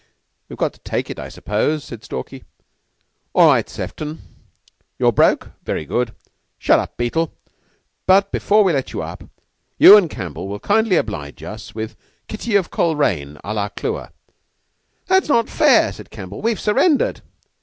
"We've got to take it, I suppose?" said Stalky. "All right, Sefton. You're broke? Very good. Shut up, Beetle! But before we let you up, you an' Campbell will kindly oblige us with 'Kitty of Coleraine' à la Clewer." "That's not fair," said Campbell; "we've surrendered."